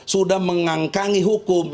sudah mengangkangi hukum